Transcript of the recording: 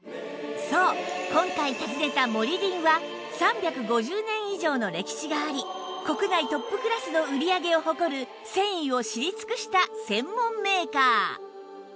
そう今回訪ねたモリリンは３５０年以上の歴史があり国内トップクラスの売り上げを誇る繊維を知り尽くした専門メーカー